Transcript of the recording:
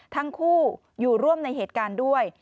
ทั้งคู่อยู่ร่วมในเหตุการณ์ด้วย